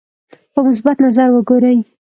په مثبت نظر وګوري.